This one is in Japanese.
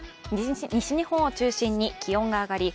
西日本を中心に気温が上がり、